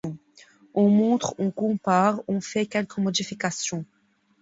On montre, on compare, on fait quelques modifications.